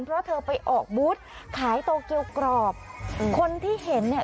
เพราะเธอไปออกบูธขายโตเกียวกรอบคนที่เห็นเนี่ย